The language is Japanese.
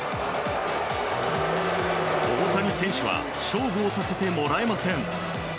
大谷選手は勝負をさせてもらえません。